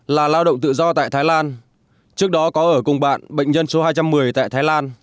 là lao động tự do tại thái lan trước đó có ở cùng bạn bệnh nhân số hai trăm một mươi tại thái lan